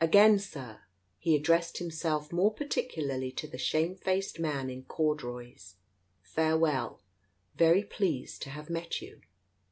Again, Sir " He addressed himself more particularly to the shamefaced man in corduroys — "Farewell. Very pleased to have met you